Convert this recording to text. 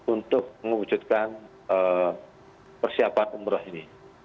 untuk mewujudkan persiapan umroh ini